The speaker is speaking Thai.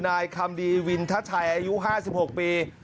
นายคำดีวินทชัยอายุ๕๖ปี